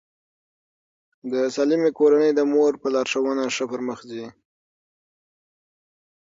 د سالمې کورنۍ د مور په لارښوونه ښه پرمخ ځي.